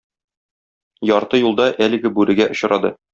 Ярты юлда әлеге бүрегә очрады.